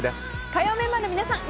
火曜日メンバーの皆さん